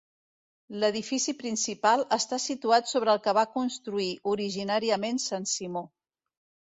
L'edifici principal està situat sobre el que va construir originàriament sant Simó.